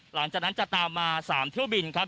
หลังจากนั้นจะตามมา๓เที่ยวบินครับ